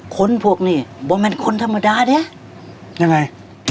คนพวกนี้บ่มันคนธรรมดาเนี่ยยังไง